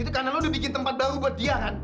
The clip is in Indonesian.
itu karena lo udah bikin tempat baru buat dia kan